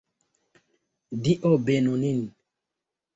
Dio benu nin!